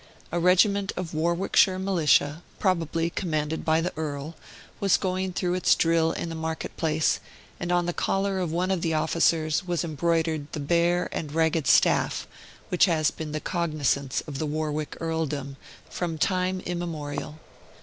A regiment of Warwickshire militia, probably commanded by the Earl, was going through its drill in the market place; and on the collar of one of the officers was embroidered the Bear and Ragged Staff, which has been the cognizance of the Warwick earldom from time immemorial.